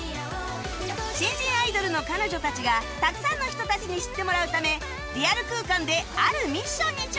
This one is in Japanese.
新人アイドルの彼女たちがたくさんの人たちに知ってもらうためリアル空間であるミッションに挑戦！